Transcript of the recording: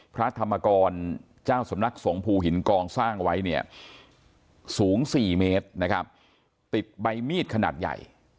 พระธรรมกรเจ้าสำนักสงภูหินกองสร้างไว้เนี่ยสูง๔เมตรนะครับติดใบมีดขนาดใหญ่